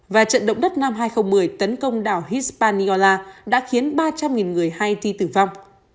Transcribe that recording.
và trận động đất năm hai nghìn một mươi tấn công đảo hizpaniola đã khiến ba trăm linh người haiti tử vong